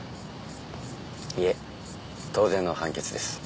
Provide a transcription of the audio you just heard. いえ当然の判決です。